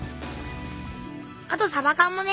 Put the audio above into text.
あとさば缶もね。